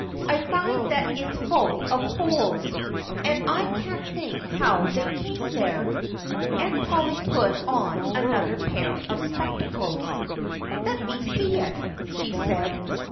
I find that it's full of holes; and I can't think how they came there." Aunt Polly put on another pair of spectacles. "Let me see it!" she said.